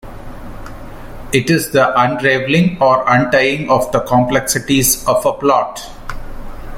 It is the unraveling or untying of the complexities of a plot.